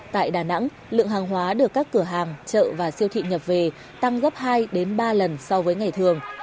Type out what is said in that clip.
tại đà nẵng lượng hàng hóa được các cửa hàng chợ và siêu thị nhập về tăng gấp hai ba lần so với ngày thường